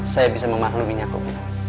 saya bisa memakluminya pak